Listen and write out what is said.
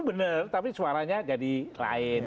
benar tapi suaranya jadi lain